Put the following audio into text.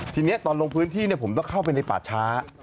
ทีนี้ตอนลงพื้นที่ผมต้องเข้าไปในป่าช้า